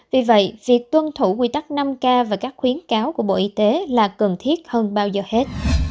vì vậy việc tuân thủ quy tắc năm k và các khuyến cáo của bộ y tế là cần thiết hơn bao giờ hết